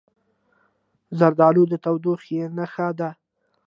زردالو د تودوخې نښه ده.